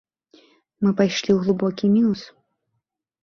Мы пайшлі ў глыбокі мінус.